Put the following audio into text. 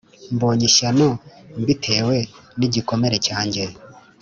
Mbonye ishyano mbitewe n igikomere cyanjye